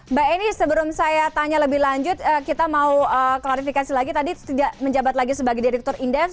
mbak eni sebelum saya tanya lebih lanjut kita mau klarifikasi lagi tadi tidak menjabat lagi sebagai direktur indef